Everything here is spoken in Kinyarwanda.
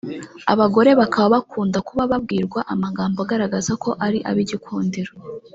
Abagore bakaba bakunda kuba babwirwa amagambo agaragaza ko ari abigikundiro